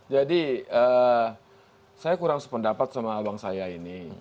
jadi saya kurang sependapat sama abang saya ini